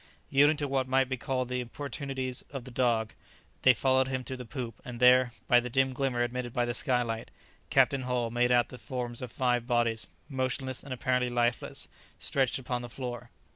Yielding to what might be called the importunities of the dog, they followed him to the poop, and there, by the dim glimmer admitted by the sky light, Captain Hull made out the forms of five bodies, motionless and apparently lifeless, stretched upon the floor.